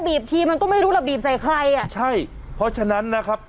ทีมันก็ไม่รู้เราบีบใส่ใครอ่ะใช่เพราะฉะนั้นนะครับ